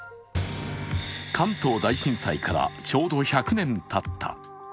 関東大震災からちょうど１００年たった。